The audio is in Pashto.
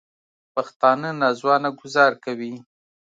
پښتانه نا ځوانه ګوزار کوي